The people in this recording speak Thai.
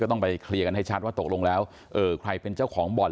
ต้องไปเคลียร์กันให้ชัดว่าตกลงแล้วใครเป็นเจ้าของบ่อน